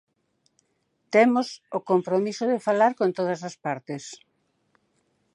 Temos o compromiso de falar con todas as partes.